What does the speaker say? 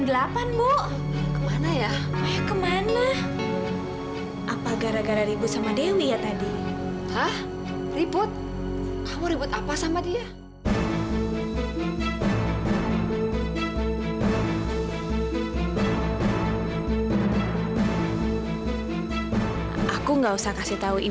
eh berjumlah lu ngumpetin